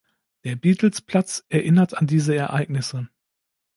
Der Beatles-Platz erinnert an diese Ereignisse.